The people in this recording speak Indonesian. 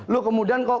lu kemudian kok